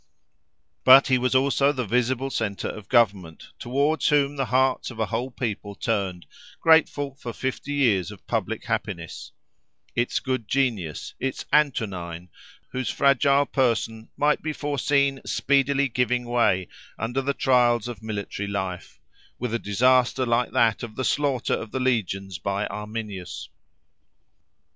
But he was also the visible centre of government, towards whom the hearts of a whole people turned, grateful for fifty years of public happiness—its good genius, its "Antonine"—whose fragile person might be foreseen speedily giving way under the trials of military life, with a disaster like that of the slaughter of the legions by Arminius.